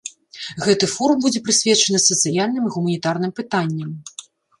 Гэты форум будзе прысвечаны сацыяльным і гуманітарным пытанням.